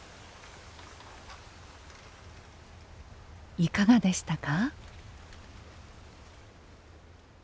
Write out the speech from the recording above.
いかがでしたか？